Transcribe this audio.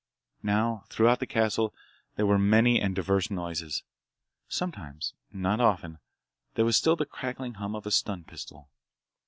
Now, throughout the castle there were many and diverse noises. Sometimes—not often—there was still the crackling hum of a stun pistol.